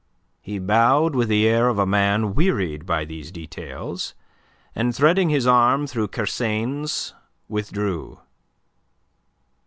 He bowed with the air of a man wearied by these details, and threading his arm through Kersain's withdrew.